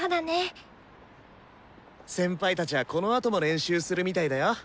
先輩たちはこのあとも練習するみたいだよ。